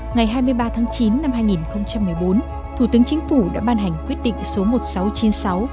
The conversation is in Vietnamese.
ngày hai mươi ba tháng chín năm hai nghìn một mươi bốn thủ tướng chính phủ đã ban hành quyết định số một nghìn sáu trăm chín mươi sáu